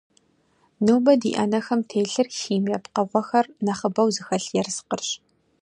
Нобэ ди ӏэнэхэм телъыр химие пкъыгъуэхэр нэхъыбэу зыхэлъ ерыскъырщ.